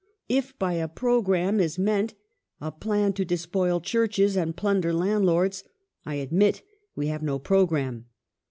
" If by a programme is meant a plan to despoil churches and plunder landlords, I admit we have no pro gi amme.